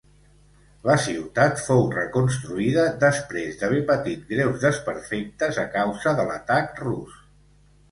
La ciutat fou reconstruïda després d'haver patit greus desperfectes a causa de l'atac rus.